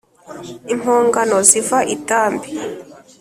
impongano ziva i tambi